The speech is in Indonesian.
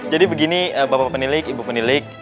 jadi begini bapak penilik ibu penilik